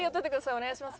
お願いします。